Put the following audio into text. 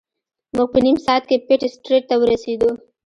موږ په نیم ساعت کې پیټ سټریټ ته ورسیدو.